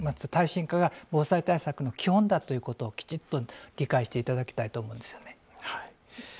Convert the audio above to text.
耐震化が防災対策の基本だということをきちっと理解していただきたいと思うんですよね。